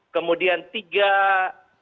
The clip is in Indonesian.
kemudian tiga desember